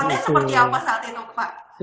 anda seperti apa saat itu pak